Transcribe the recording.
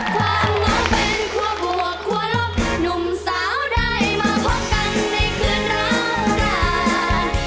ความงงเป็นคั่วบวกคั่วลบหนุ่มสาวได้มาพบกันในคืนราวรา